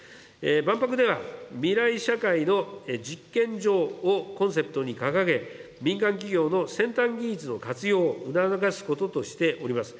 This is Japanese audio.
万博では未来社会の実験場をコンセプトに掲げ、民間企業の先端技術の活用を促すこととしております。